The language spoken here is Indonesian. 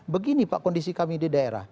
begini pak kondisi kami di daerah